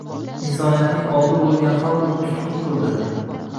Insoniyatning oldi bo‘lgan xalq uni tutqun qilib